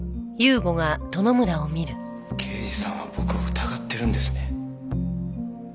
刑事さんは僕を疑ってるんですね。